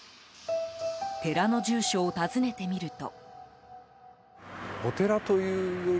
寺の住所を訪ねてみると。